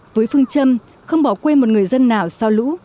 với phương châm không bỏ quê một người dân nào sau lũ